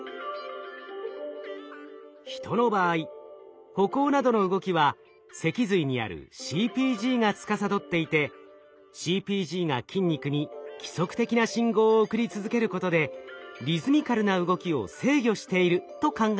ヒトの場合歩行などの動きは脊髄にあるＣＰＧがつかさどっていてＣＰＧが筋肉に規則的な信号を送り続けることでリズミカルな動きを制御していると考えられてきました。